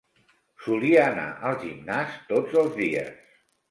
Solia anar al gimnàs tots els dies.